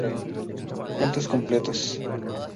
Cuentos completos.